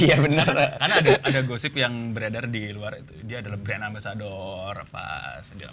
ada gosip yang beredar di luar itu dia adalah brand ambasador apa sebagainya